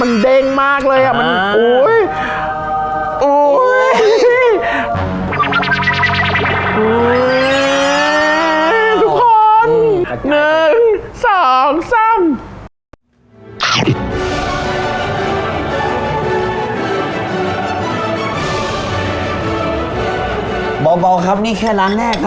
คนเดียวกันตัวเดียวเลย